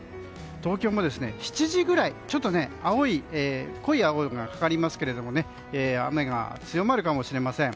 東京も７時ぐらいに濃い青がかかりますけど雨が強まるかもしれません。